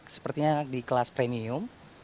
sepertinya di kelas premium